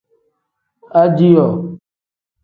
Ajihoo.